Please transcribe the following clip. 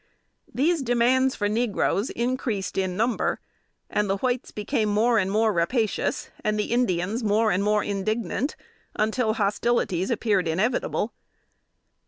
" These demands for negroes increased in number; and the whites became more and more rapacious, and the Indians more and more indignant, until hostilities appeared inevitable.